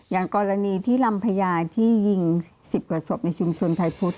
อย่างกรณีที่ลำพญาที่ยิง๑๐กว่าศพในชุมชนไทยพุทธ